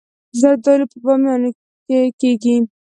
زردالو په بامیان کې کیږي